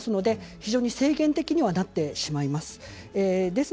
非常に制限的にはなってしまいます。